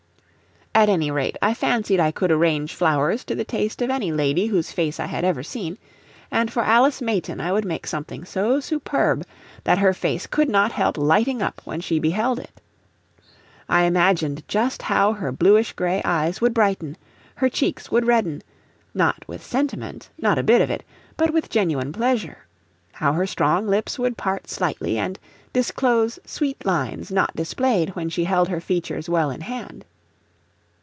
At any rate, I fancied I could arrange flowers to the taste of any lady whose face I had ever seen; and for Alice Mayton I would make something so superb that her face could not help lighting up when she beheld it. I imagined just how her bluish gray eyes would brighten, her cheeks would redden, not with sentiment, not a bit of it; but with genuine pleasure, how her strong lips would part slightly and disclose sweet lines not displayed when she held her features well in hand.